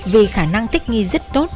vì khả năng thích nghi rất tốt